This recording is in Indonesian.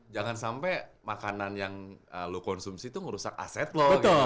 jangan sampai makanan yang lo konsumsi itu ngerusak aset lo